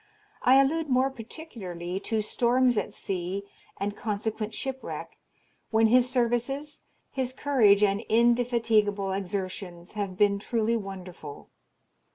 I allude more particularly to storms at sea and consequent shipwreck, when his services, his courage, and indefatigable exertions, have been truly wonderful.